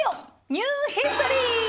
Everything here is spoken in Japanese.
ニューヒストリー！